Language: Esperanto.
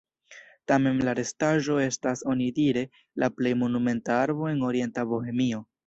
Tamen la restaĵo estas onidire la plej monumenta arbo en orienta Bohemio.